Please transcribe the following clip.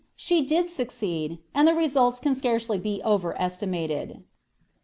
She did succeed, and the results can scarcely be overestimated.